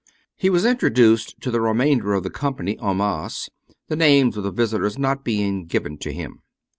He was in troduced to the remainder of the company en masse, the names of the visitors not being given to him.